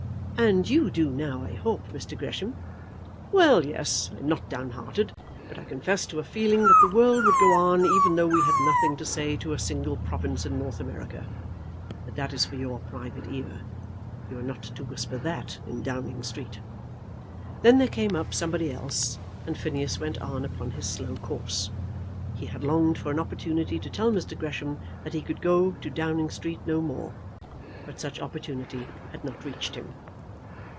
"And you do now, I hope, Mr. Gresham?" "Well, yes, I am not down hearted. But I confess to a feeling that the world would go on even though we had nothing to say to a single province in North America. But that is for your private ear. You are not to whisper that in Downing Street." Then there came up somebody else, and Phineas went on upon his slow course. He had longed for an opportunity to tell Mr. Gresham that he could go to Downing Street no more, but such opportunity had not reached him.